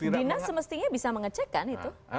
dinas semestinya bisa mengecek kan itu